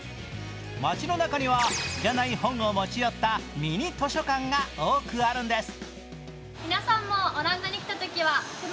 街の中には要らない本を持ち寄ったミニ図書館が多くあるんです。